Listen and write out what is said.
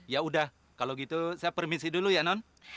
ya udah kalau gitu saya permisi dulu ya non